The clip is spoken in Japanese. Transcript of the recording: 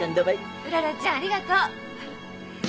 うららちゃんありがとう！